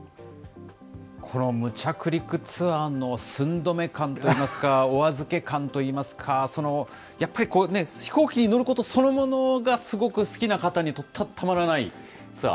この無着陸ツアーの寸止め感といいますか、お預け感といいますか、やっぱり飛行機に乗ることそのものがすごく好きな方にとってはたまらないツアー。